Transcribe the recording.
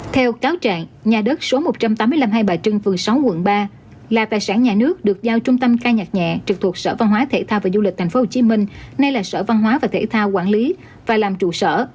theo cáo trạng nhà đất số một trăm tám mươi năm hai bà trưng phường sáu quận ba là tài sản nhà nước được giao trung tâm ca nhạc nhẹ trực thuộc sở văn hóa thể thao và du lịch tp hcm nay là sở văn hóa và thể thao quản lý và làm trụ sở